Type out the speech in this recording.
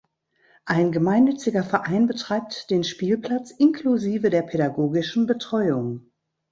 Ein gemeinnütziger Verein betreibt den Spielplatz inklusive der pädagogischen Betreuung.